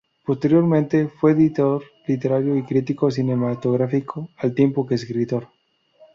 Posteriormente, fue editor literario y crítico cinematográfico, al tiempo que escritor.